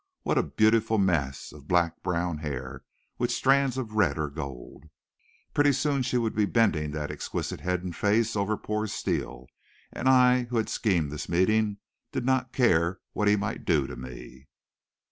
What a beautiful mass of black brown hair, with strands of red or gold! Pretty soon she would be bending that exquisite head and face over poor Steele, and I, who had schemed this meeting, did not care what he might do to me.